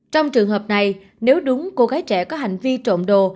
trong trường hợp này nếu đúng cô gái trẻ có hành vi trộm đồ